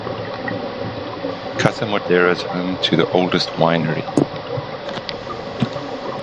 Casa Madero is home to the oldest winery.